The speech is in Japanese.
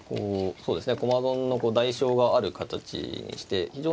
そうですね。